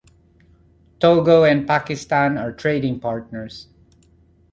Togo and Pakistan are trading partners.